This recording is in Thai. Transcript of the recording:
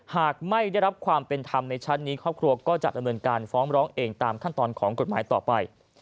หากไม่ได้รับความเป็นธรรมในชั้นนี้ครอบครัวก็จะดำเนินการฟ้องร้องเองตามขั้นตอนของกฎหมายต่อไป